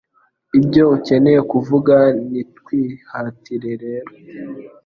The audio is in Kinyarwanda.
ibyo ukeneye kuvuga Nitwihatire rero